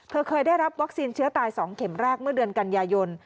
เคยได้รับวัคซีนเชื้อตาย๒เข็มแรกเมื่อเดือนกันยายน